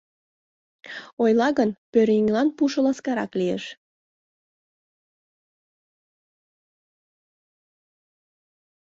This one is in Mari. — Ойла гын, пӧръеҥлан пушо ласкарак лиеш.